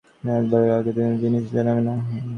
শোনো, একবারে একের বেশি জিনিস জানাবে না।